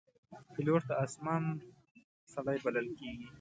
پیلوټ د آسمان سړی بلل کېږي.